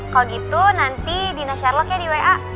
kalau gitu nanti dina sherlocknya di wa